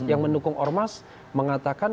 yang mendukung ormas mengatakan